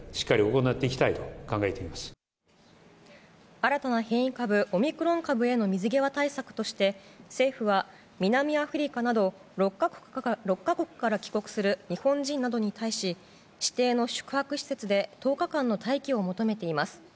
新たな変異株オミクロン株への水際対策として政府は南アフリカなど６か国から帰国する日本人などに対し指定の宿泊施設で１０日間の待機を求めています。